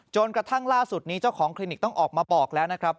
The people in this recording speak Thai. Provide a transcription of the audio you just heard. กระทั่งล่าสุดนี้เจ้าของคลินิกต้องออกมาบอกแล้วนะครับ